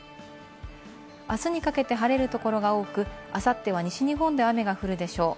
あすにかけて晴れるところが多く、あさっては西日本で雨が降るでしょう。